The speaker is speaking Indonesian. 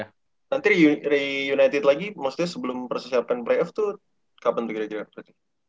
terus nanti reunited lagi maksudnya sebelum persiapan playoff tuh kapan begitu ya